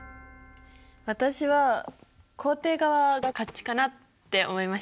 私は肯定側が勝ちかなって思いました。